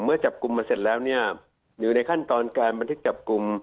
เมื่อจับกลุ่มมาเสร็จแล้วเนี่ยอยู่ในขั้นตอนการบันทึกจับกลุ่ม